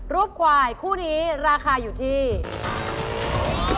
รูปควายคู่นี้ราคาอยู่ที่